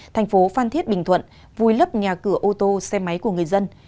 thành phố phan thiết bình thuận vùi lấp nhà cửa ô tô xe máy của người dân